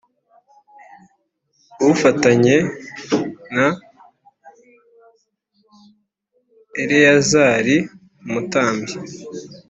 ufatanye na Eleyazari umutambyi